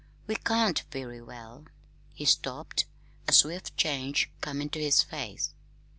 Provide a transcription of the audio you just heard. We can't very well " He stopped, a swift change coming to his face.